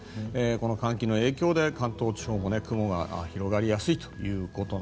この寒気の影響で関東地方も雲が広がりやすいと。